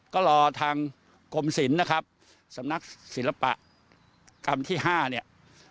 ก็รอทางกรมศิลป์นะครับสำนักศิลปะกรรมที่๕เนี่ย